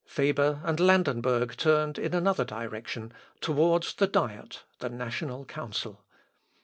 Faber and Landenberg turned in another direction towards the Diet, the national council.